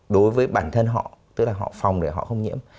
đối với bản thân họ tức là họ phòng để họ không nhiễm